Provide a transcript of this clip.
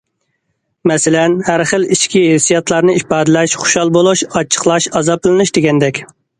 مەسىلەن: ھەر خىل ئىچكى ھېسسىياتلارنى ئىپادىلەش، خۇشال بولۇش، ئاچچىقلاش، ئازابلىنىش دېگەندەك.